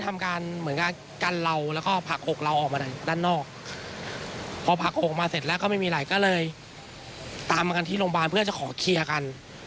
ตามมากันที่โรงพยาบาลเพื่อจะขอเคลียร์กัน